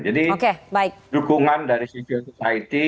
jadi dukungan dari sisiutu society